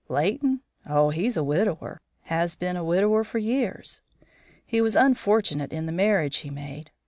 "Leighton? Oh, he's a widower; has been a widower for years. He was unfortunate in the marriage he made.